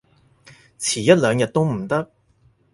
遲一兩日都唔得？